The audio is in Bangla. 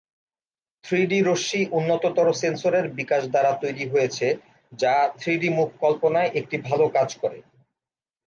থ্রি-ডি রশ্মি উন্নততর সেন্সরের বিকাশ দ্বারা তৈরি হয়েছে যা থ্রি-ডি মুখ কল্পনায় একটি ভাল কাজ করে।